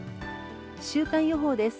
週間予報です。